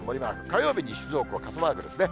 火曜日に静岡は傘マークですね。